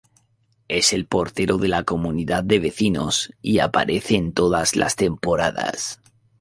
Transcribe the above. Es el portero de la comunidad de vecinos y aparece en todas las temporadas.